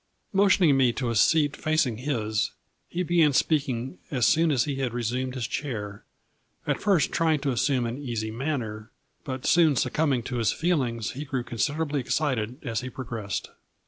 Motioning me to a seat facing his, he began speaking as soon as he had resumed his chair, at first trying to assume an easy manner, but soon succumbing to his feelings he grew consid erably excited as he progressed.